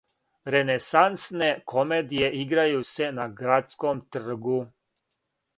Ренесансне комедије играју се на градском тргу.